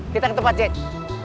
kita ke tempat jack